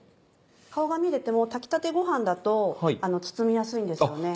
顔が見えてても炊きたてご飯だと包みやすいんですよね。